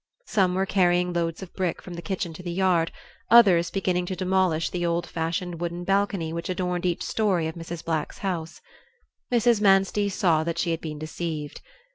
Some were carrying loads of brick from the kitchen to the yard, others beginning to demolish the old fashioned wooden balcony which adorned each story of Mrs. Black's house. Mrs. Manstey saw that she had been deceived.